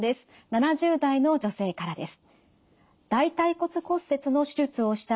７０代の女性からです。